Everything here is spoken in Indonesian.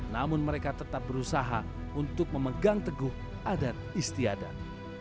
namun mereka tetap berusaha untuk memegang teguh adat istiadat